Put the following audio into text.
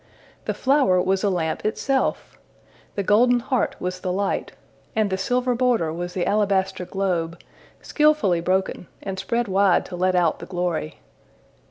The flower was a lamp itself! The golden heart was the light, and the silver border was the alabaster globe, skillfully broken, and spread wide to let out the glory.